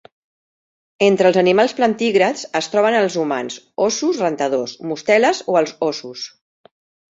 Entre els animals plantígrads es troben els humans, óssos rentadors, mosteles o els óssos.